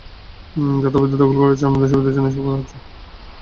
যারা অবৈধ দখল করে আছেন, আপনাদের সুবিধার জন্য এসব করা হচ্ছে।